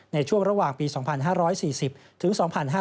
ในช่วงระหว่างปี๒๕๔๐ถึง๒๕๕๙